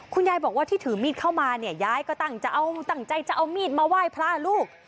คุณยายบอกว่าที่ถือมีดเข้ามาเนี่ยยายก็ตั้งใจเอาตั้งใจจะเอามีดมาไหว้พระลูก